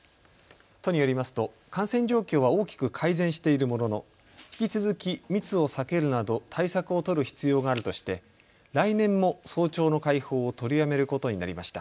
都によりますと感染状況は大きく改善しているものの引き続き密を避けるなど対策を取る必要があるとして来年も早朝の開放を取りやめることになりました。